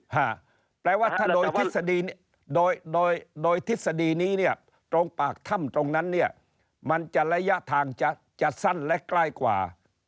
แปลว่าถ้าโดยทฤษฎีโดยโดยทฤษฎีนี้เนี่ยตรงปากถ้ำตรงนั้นเนี่ยมันจะระยะทางจะจะสั้นและใกล้กว่า